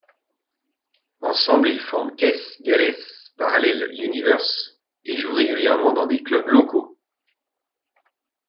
Ensemble, ils forment Keith Gale's Parallel Universe et jouent régulièrement dans des clubs locaux.